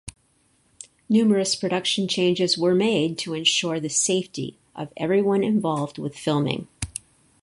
Numerous production changes were made to ensure the safety of everyone involved with filming.